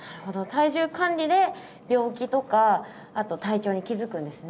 体重管理で病気とかあと体調に気付くんですね。